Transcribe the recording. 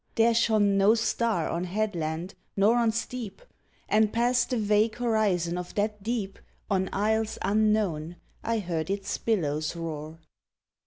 There shone no star on headland nor on steep, And past the vague horizon of that deep On isles unknown I heard its billows roar.